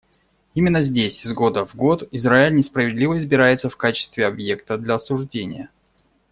Именно здесь из года в год Израиль несправедливо избирается в качестве объекта для осуждения.